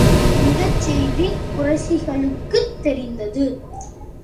இந்தச் செய்தி குறைஷிகளுக்குத் தெரிந்தது.